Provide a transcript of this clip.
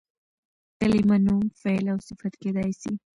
کلیمه نوم، فعل او صفت کېدای سي.